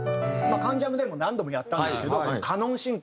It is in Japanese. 『関ジャム』でも何度もやったんですけどカノン進行。